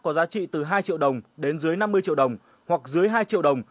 có giá trị từ hai triệu đồng đến dưới năm mươi triệu đồng hoặc dưới hai triệu đồng